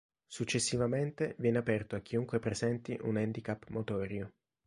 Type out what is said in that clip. Successivamente viene aperto a chiunque presenti un handicap motorio.